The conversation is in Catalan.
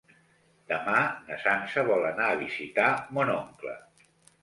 Demà na Sança vol anar a visitar mon oncle.